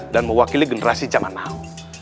dan mewakili generasi zaman now